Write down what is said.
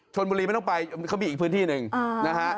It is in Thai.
ชนบุรีไม่ต้องไปเขามีอีกพื้นที่หนึ่งนะฮะ